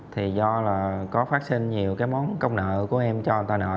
thì do là có phát sinh nhiều cái món công nợ của em cho người tà nợ